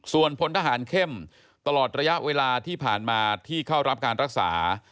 ส่วนพลทหารเข้มตลอดระยะเวลาที่ผ่านมาที่เข้ารับการรักษา